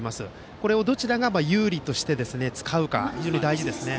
これをどちらが有利として使うか非常に大事ですよね。